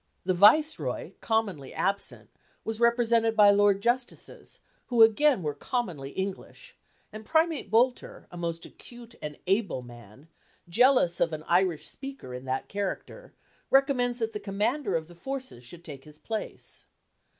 The Viceroy, commonly absent, was represented by Lords Justices, who again were commonly English; and Primate Boulter, a most acute and able man, jealous of an Irish Speaker in that character, recommends that the commander of the forces should take his place.